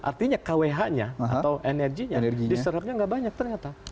artinya kwh nya atau energinya diserapnya nggak banyak ternyata